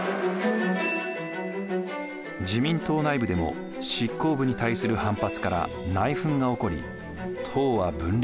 自民党内部でも執行部に対する反発から内紛が起こり党は分裂。